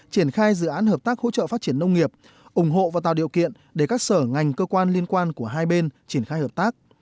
triển khai dự án hợp tác hỗ trợ phát triển nông nghiệp ủng hộ và tạo điều kiện để các sở ngành cơ quan liên quan của hai bên triển khai hợp tác